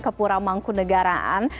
kepurang mangku negaraan